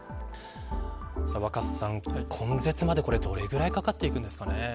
若狭さん、根絶までどれぐらいかかっていくんですかね。